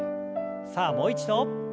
さあもう一度。